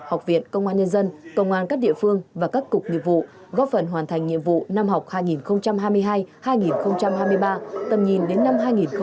học viện công an nhân dân công an các địa phương và các cục nghiệp vụ góp phần hoàn thành nhiệm vụ năm học hai nghìn hai mươi hai hai nghìn hai mươi ba tầm nhìn đến năm hai nghìn ba mươi